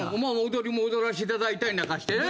踊りも踊らせて頂いたりなんかしてね。